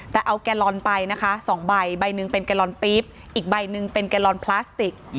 แต่เอาแกลลอนไปนะคะ๒ใบใบหนึ่งเป็นแกลอนปี๊บอีกใบหนึ่งเป็นแกลลอนพลาสติก